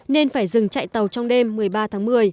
nên phải dừng chạy tàu trong đêm một mươi ba tháng một mươi